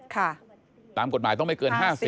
ตามกฎหมายต้องไม่เกิน๕๐